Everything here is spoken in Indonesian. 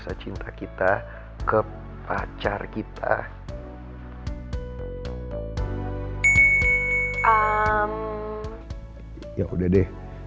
adalah kebahagiaan gue